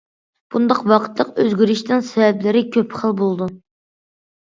بۇنداق ۋاقىتلىق ئۆزگىرىشنىڭ سەۋەبلىرى كۆپ خىل بولىدۇ.